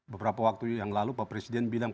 beberapa waktu yang lalu pak presiden bilang